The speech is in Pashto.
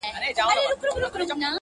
• پر خړه مځکه به یې سیوري نه وي,